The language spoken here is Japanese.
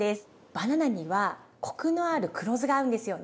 バナナにはコクのある黒酢が合うんですよね。